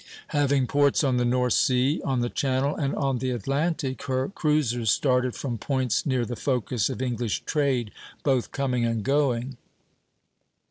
Having ports on the North Sea, on the Channel, and on the Atlantic, her cruisers started from points near the focus of English trade, both coming and going.